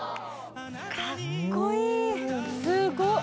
かっこいい。